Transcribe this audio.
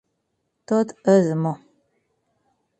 Tot és amor.